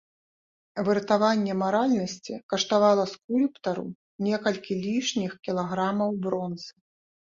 Выратаванне маральнасці каштавала скульптару некалькі лішніх кілаграмаў бронзы.